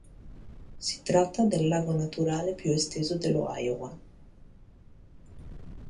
Si tratta del lago naturale più esteso dello Iowa.